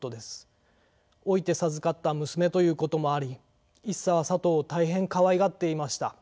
老いて授かった娘ということもあり一茶はさとを大変かわいがっていました。